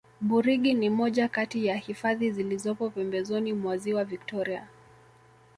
burigi ni moja Kati ya hifadhi zilizopo pembezoni mwa ziwa victoria